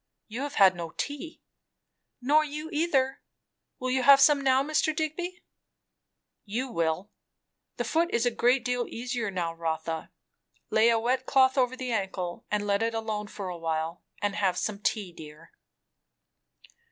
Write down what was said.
"You have had no tea." "Nor you, either. Will you have some now, Mr. Digby?" "You will. The foot is a great deal easier now, Rotha. Lay a wet cloth over the ankle and let it alone for a while; and have some tea, dear."